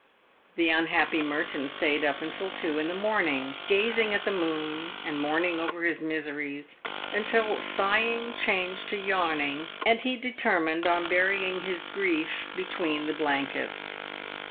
The unhappy Merton stayed up until two in the morning, gazing at the moon, and mourning over his miseries, until sighing changed to yawing, and he determined on burying his grief between the blankets.